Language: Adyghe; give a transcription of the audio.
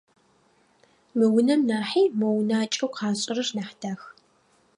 Мы унэм нахьи мо унакӏэу къашӏырэр нахь дах.